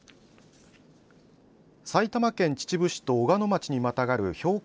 埼玉県秩父市と小鹿野町にまたがる標高